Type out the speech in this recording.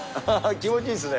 気持ちいいですね。